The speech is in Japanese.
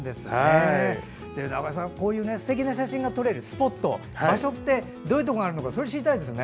中井さん、すてきな写真が撮れるスポット場所ってどういうところがあるのか知りたいですね。